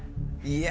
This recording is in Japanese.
いや。